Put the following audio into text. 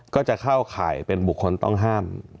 ก็จะเข้าข่ายเป็นบุคคลต้องห้าม